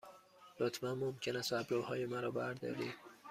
لطفاً ممکن است ابروهای مرا بردارید؟